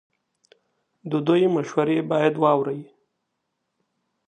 د دوی مشورې باید واورئ.